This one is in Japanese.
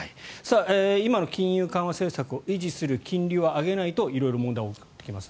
今の金融緩和政策を維持する金利を上げないと色々問題が起きます。